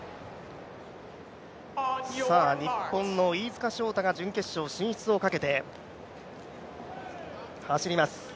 日本の飯塚翔太が準決勝進出をかけて走ります。